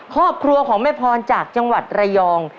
ครอบครัวของแม่พรจากจังหวัดระยอง